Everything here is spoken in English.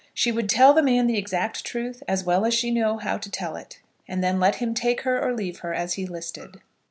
She would tell the man the exact truth as well as she knew how to tell it, and then let him take her or leave her as he listed.